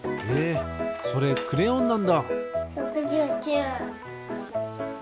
へえそれクレヨンなんだ。